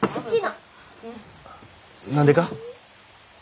何でか？